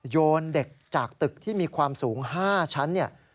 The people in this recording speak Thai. โยนเด็กจากตึกที่มีความสูง๕ชั้นเนี่ย